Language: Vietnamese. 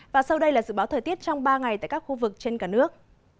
và sau đây là dự báo thời tiết trong ba ngày tại các khu vực trên cả nước